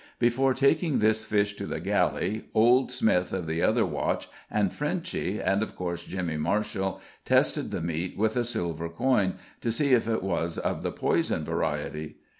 Before taking this fish to the galley, Old Smith of the other watch, and Frenchy, and of course Jimmy Marshall, tested the meat with a silver coin, to see if it was of the poison variety.